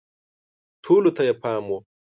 ټولو ته یې پام و